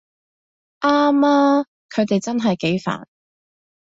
啱吖，佢哋真係幾煩